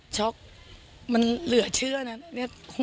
เชิกมันเหลือเชื่อนั้น